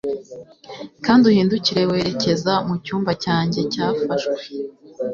Kandi uhindukire werekeza mucyumba cyanjye cyafashwe